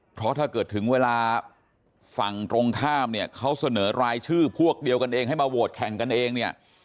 เพราะถ้าเกิดถึงเวลาฝั่งตรงข้ามเนี่ยเขาเสนอรายชื่อพวกเดียวกันเองให้มาโหวตแข่งกันเองเนี่ย